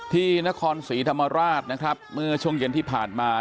ที่นครสวีธรรมราชมือช่วงเย็นที่ผ่านมา